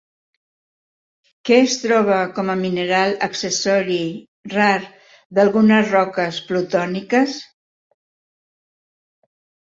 Què es troba com a mineral accessori rar d'algunes roques plutòniques?